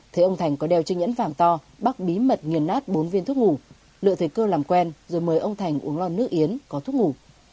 thế ông thành có đeo chiếc nhẫn vàng to bắc bí mật nghiền nát bốn viên thuốc ngủ lựa thuyệt cơ làm quen rồi mời ông thành uống lon nước yến có thuốc ngủ